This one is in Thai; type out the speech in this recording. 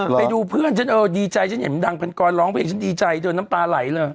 ไปดูเพื่อนดีใจฉันเห็นดังพันกรร้องเพลงฉันดีใจเดี๋ยวน้ำตาไหลแล้ว